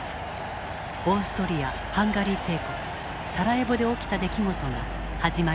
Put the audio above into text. オーストリア＝ハンガリー帝国サラエボで起きた出来事が始まりだった。